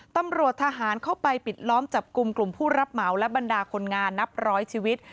ตำรวจทหารเข้าไปปิดล้อมจับกลุ่มกลุ่มผู้รับเหมาและบรรดาคนงานนับร้อยชีวิต